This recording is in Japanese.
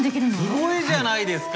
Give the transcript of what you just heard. すごいじゃないですか。